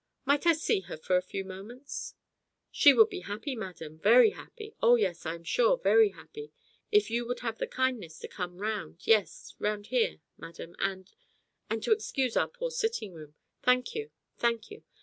"Might I see her for a few moments?" "She would be happy, madam, very happy: oh yes, I am sure, very happy if if you would have the kindness to come round, yes, round here, madam, and and to excuse our poor sitting room. Thank you, thank you.